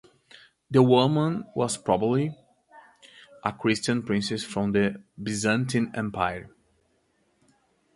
The woman was probably a Christian princess from the Byzantine Empire.